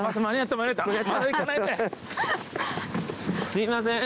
すいません。